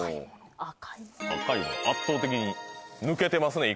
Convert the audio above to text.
赤いは圧倒的に抜けてますね